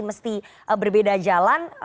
mesti berbeda jalan